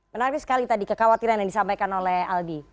menarik sekali tadi kekhawatiran yang disampaikan oleh aldi